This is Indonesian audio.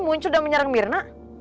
muncul dan menyerang mirna